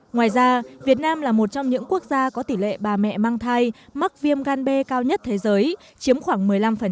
ngoài ra việt nam là một trong những quốc gia có tỷ lệ bà mẹ mang thai mắc viêm gan b cao nhất thế giới chiếm khoảng một mươi năm